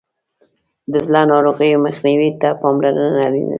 د زړه ناروغیو مخنیوي ته پاملرنه اړینه ده.